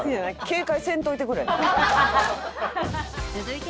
「警戒せんといてくれ」って。